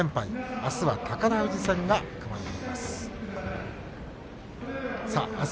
あすは宝富士戦が組まれています。